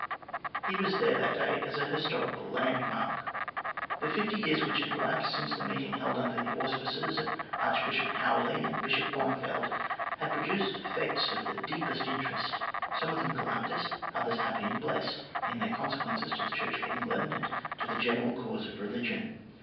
He was there that day as an historical landmark. The fifty years which had elapsed since the meeting held under the auspices of Archbishop Howley and Bishop Blomfield, had produced events of the deepest interest, some of them calamitous, others happy and blessed, in their consequences to the Church of England and to the general cause of religion.